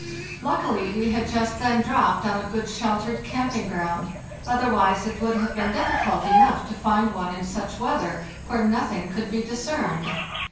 Luckily we had just then dropped on a good sheltered camping ground; otherwise it would have been difficult enough to find one in such weather, where nothing could be discerned.